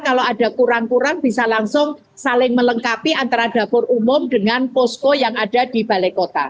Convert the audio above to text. kalau ada kurang kurang bisa langsung saling melengkapi antara dapur umum dengan posko yang ada di balai kota